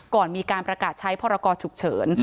ก่อนมีการประกาศใช้พรกรฉุกเฉิน